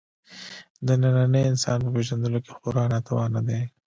د ننني انسان په پېژندلو کې خورا ناتوانه دی.